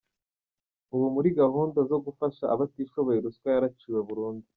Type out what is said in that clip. Ubu muri gahunda zo gufasha abatishoboye ruswa yaraciwe burundu.